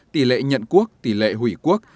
tỷ lệ nhận quốc tỷ lệ hủy quốc